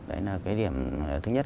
đấy là cái điểm thứ nhất